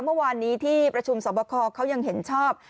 เมื่อวานนี้ที่ประชุมสอบคอเขายังเห็นชอบ